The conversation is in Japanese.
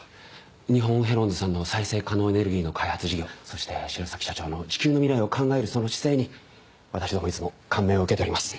日本ヘロンズさんの再生可能エネルギーの開発事業そして白崎社長の地球の未来を考えるその姿勢に私どもいつも感銘を受けております。